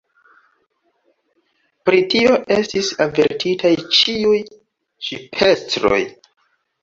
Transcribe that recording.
Pri tio estis avertitaj ĉiuj ŝipestroj.